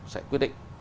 sẽ quyết định